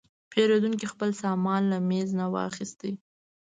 پیرودونکی خپل سامان له میز نه واخیست.